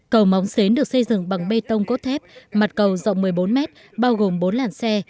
cầu móng xến được xây dựng bằng bê tông cốt thép mặt cầu rộng một mươi bốn mét bao gồm bốn làn xe